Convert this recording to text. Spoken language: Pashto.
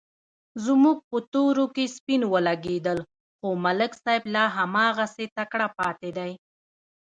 زموږ په تورو کې سپین ولږېدل، خو ملک صاحب لا هماغسې تکړه پاتې دی.